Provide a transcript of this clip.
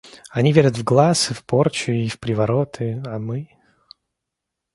Они верят в глаз, и в порчу, и в привороты, а мы....